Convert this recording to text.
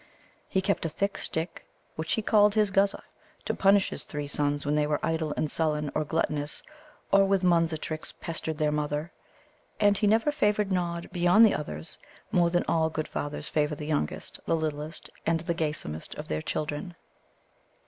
He kept a thick stick, which he called his Guzza, to punish his three sons when they were idle and sullen, or gluttonous, or with Munza tricks pestered their mother. And he never favoured Nod beyond the others more than all good fathers favour the youngest, the littlest, and the gaysomest of their children.